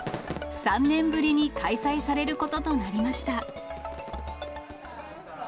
３年ぶりに開催されることとなりました。